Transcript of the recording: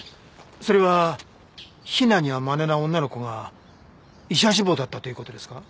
それは鄙にはまれな女の子が医者志望だったという事ですか？